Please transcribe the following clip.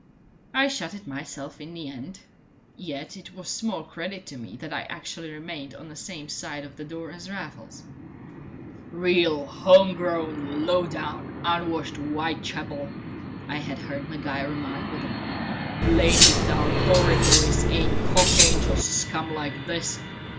I shut it myself in the end. Yet it was small credit to me that I actually remained on the same side of the door as Raffles. "Reel home grown, low down, unwashed Whitechapel!" I had heard Maguire remark within. "Blamed if our Bowery boys ain't cock angels to scum like this.